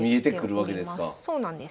そうなんです。